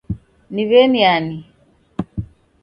Ni mweni ani?